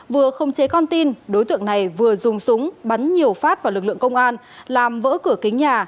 vừa không chế con tin đối tượng này vừa dùng súng bắn nhiều phát vào lực lượng công an làm vỡ cửa kính nhà